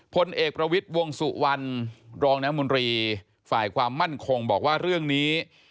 พลเอกประวิทย์วงสุวรรณรองน้ำมนตรีฝ่ายความมั่นคงบอกว่าเรื่องนี้